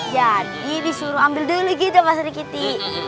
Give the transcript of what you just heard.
jadi disuruh ambil dulu gitu pak serikiti